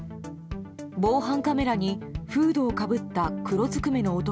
防犯カメラにフードをかぶった黒ずくめの男